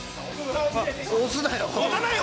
押すなよ。